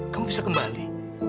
kamu bisa kembali